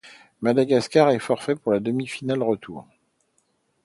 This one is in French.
Madagascar est forfait pour la demi-finale retour.